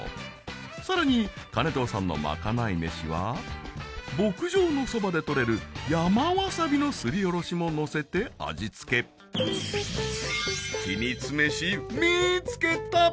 さらに金藤さんのまかないメシは牧場のそばで採れる山ワサビのすりおろしものせて味付けヒミツメシ見つけた！